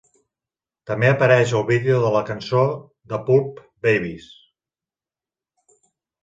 També apareix al vídeo de la cançó de Pulp "Babies".